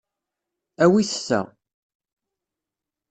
Awit ta.